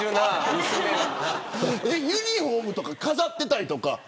ユニホーム飾ってたりとか。